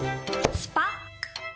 スパッ。